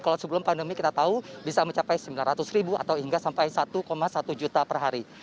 kalau sebelum pandemi kita tahu bisa mencapai sembilan ratus ribu atau hingga sampai satu satu juta per hari